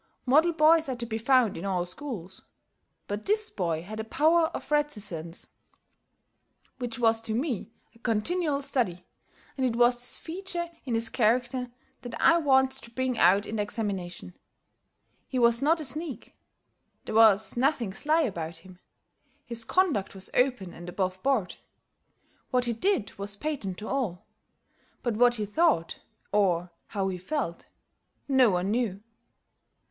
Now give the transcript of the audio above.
Model boys are to be found in all schools. But this boy had a power of reticence which was to me a continual study, and it was this feature in his character that I wanted to bring out in the examination. He was not a sneak. There was nothing sly about him. His conduct was open and aboveboard. What he did was patent to all. But what he thought, or how he felt, no one knew.